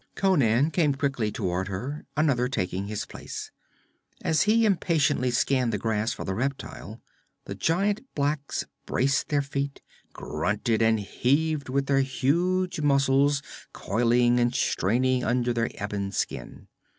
Conan came quickly toward her, another taking his place. As he impatiently scanned the grass for the reptile, the giant blacks braced their feet, grunted and heaved with their huge muscles coiling and straining under their ebon skin.